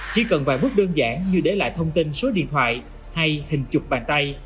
chỉ cần vài bước đơn giản như để lại thông tin số điện thoại hay hình chụp bàn tay